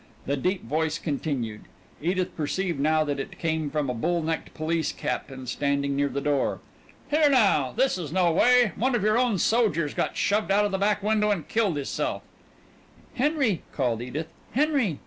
The deep voice continued. Edith perceived now that it came from a bull necked police captain standing near the door. "Here now! This is no way! One of your own sojers got shoved out of the back window an' killed hisself!" "Henry!" called Edith, "Henry!"